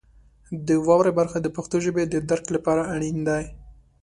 د واورئ برخه د پښتو ژبې د درک لپاره اړین دی.